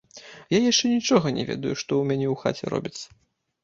Я яшчэ нічога не ведаю, што ў мяне ў хаце робіцца.